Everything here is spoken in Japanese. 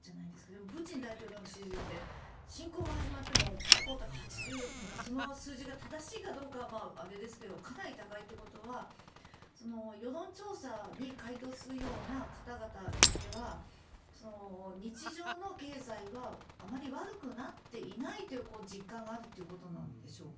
でもプーチン大統領の支持率って侵攻が始まっても結構、８０その数字が正しいかどうかはあれですけどかなり高いということは世論調査に回答するような方々では日常の経済はあまり悪くなっていないという実感があるということなんでしょうか。